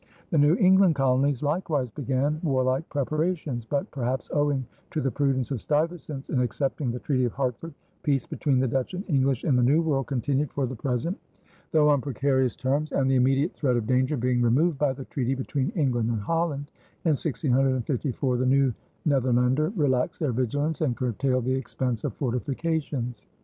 The New England Colonies likewise began warlike preparations; but, perhaps owing to the prudence of Stuyvesant in accepting the Treaty of Hartford, peace between the Dutch and English in the New World continued for the present, though on precarious terms; and, the immediate threat of danger being removed by the treaty between England and Holland in 1654, the New Netherlander relaxed their vigilance and curtailed the expense of fortifications.